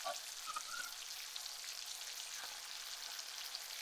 Mwaka wa elfu moja mia tisa sitini na tano